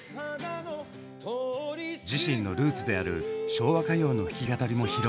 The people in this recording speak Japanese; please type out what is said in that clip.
自身のルーツである昭和歌謡の弾き語りも披露！